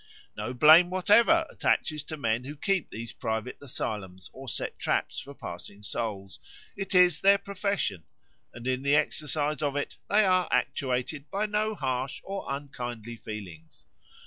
No blame whatever attaches to men who keep these private asylums or set traps for passing souls; it is their profession, and in the exercise of it they are actuated by no harsh or unkindly feelings.